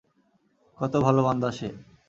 কত ভাল বান্দা সে!